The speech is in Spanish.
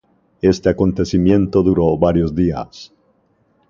Este acontecimiento duró varios días.